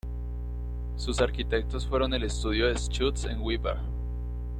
Sus arquitectos fueron el estudio "Schultze and Weaver".